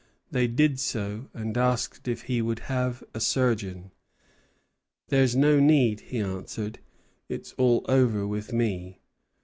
They did so, and asked if he would have a surgeon. "There's no need," he answered; "it's all over with me."